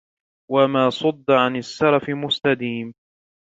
وَمَا صُدَّ عَنْ السَّرَفِ مُسْتَدِيمٌ